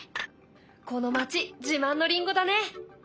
この町自慢のりんごだね。